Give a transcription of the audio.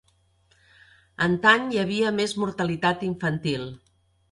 Antany hi havia més mortalitat infantil.